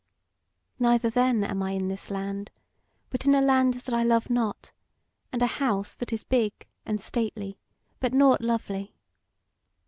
Neither then am I in this land, but in a land that I love not, and a house that is big and stately, but nought lovely.